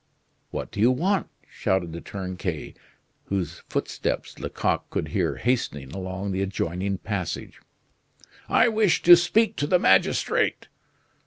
"What do you want?" shouted a turnkey, whose footsteps Lecoq could hear hastening along the adjoining passage. "I wish to speak to the magistrate."